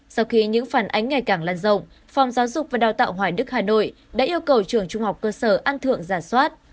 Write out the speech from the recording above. sau khi những phản ánh ngày càng lan rộng phòng giáo dục và đào tạo hoài đức hà nội đã yêu cầu trường trung học cơ sở an thượng giả soát